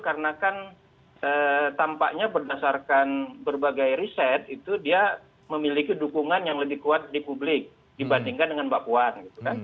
karena kan tampaknya berdasarkan berbagai riset itu dia memiliki dukungan yang lebih kuat di publik dibandingkan dengan mbak puan